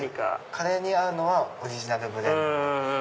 カレーに合うのはオリジナルブレンドです。